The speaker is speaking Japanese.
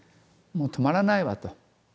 もう止まらないわと。